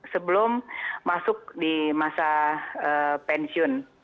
sebelum masuk di masa pensiun